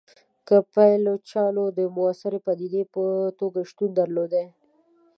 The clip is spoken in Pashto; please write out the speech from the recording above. که پایلوچانو د موثري پدیدې په توګه شتون درلودلای.